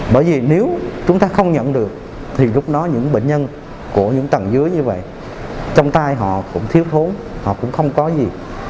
bởi vì nếu chúng ta không nhận được thì lúc đó những bệnh nhân của những tầng dưới như vậy trong tay họ cũng thiếu thốn họ cũng không có gì